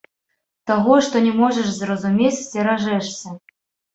Таго, што не можаш зразумець, сцеражэшся.